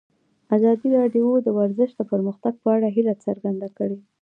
ازادي راډیو د ورزش د پرمختګ په اړه هیله څرګنده کړې.